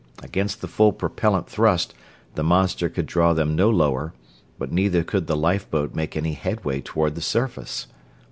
Against the full propellant thrust the monster could draw them no lower, but neither could the lifeboat make any headway toward the surface.